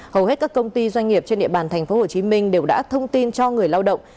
hầu hết các công ty doanh nghiệp trên địa bàn thành phố hồ chí minh đều đã thông tin cho người lao động